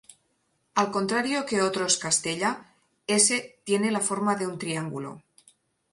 Al contrario que otros "castella", ese tiene la forma de un triángulo.